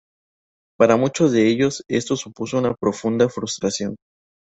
Para muchos de ellos, esto supuso una profunda frustración.